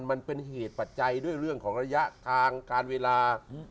มันเป็นเหตุปัจจัยด้วยเรื่องของระยะทางการเวลา